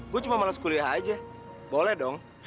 gue cuma males kuliah aja boleh dong